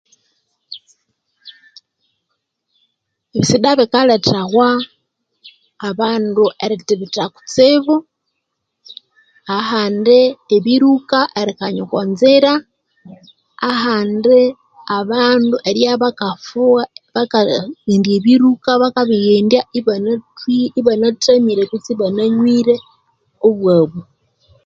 Ebisida bikaletawa abandu erithibitha kutsibu ahandi ebiruka erikanya okwa nzira ahandi abandu eribya bakafugha bakaghe bakaghendya ebiruka bakabighendya ibanathwi ibanathamire kutse ibananywire obwabu